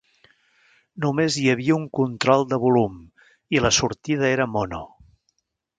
Només hi havia un control de volum i la sortida era mono.